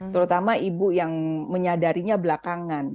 terutama ibu yang menyadarinya belakangan